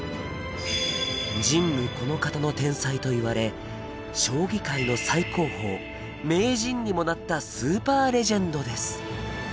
神武以来の天才といわれ将棋界の最高峰名人にもなったスーパーレジェンドです